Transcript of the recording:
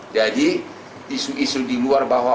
jadi isu isu di luar bahwa